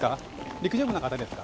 陸上部の方ですか？